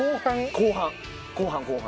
後半後半後半。